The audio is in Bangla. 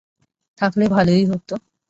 থাকলে ভালোই হতো।